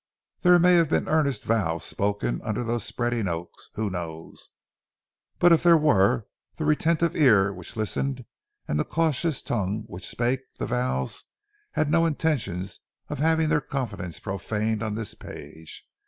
There may have been earnest vows spoken under those spreading oaks—who knows? But if there were, the retentive ear which listened, and the cautious tongue which spake the vows, had no intention of having their confidences profaned on this page.